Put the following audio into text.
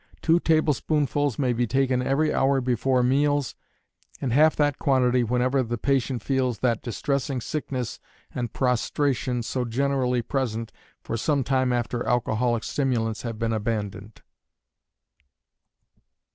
Two tablespoonfuls may be taken every hour before meals, and half that quantity whenever the patient feels that distressing sickness and prostration so generally present for some time after alcoholic stimulants have been abandoned.